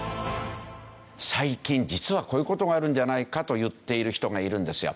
最近実はこういう事があるんじゃないかと言っている人がいるんですよ。